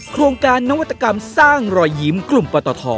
โครงการนวัตกรรมสร้างรอยยิ้มกลุ่มปตท